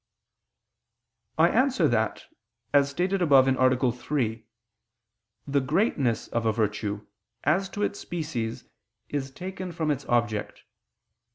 I answer that, As stated above (A. 3), the greatness of a virtue, as to its species, is taken from its object.